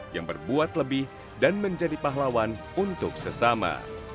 yang berbuat lebih dan menjadi pahlawan untuk sesama